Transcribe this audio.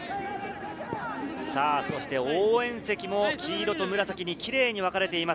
応援席も黄色と紫にキレイに分かれています。